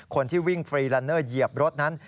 คนที่วิ่งฟรีลันเนอร์เหยียบรถนั้น